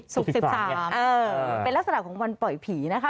ศุกร์๑๓เป็นลักษณะของวันปล่อยผีนะคะ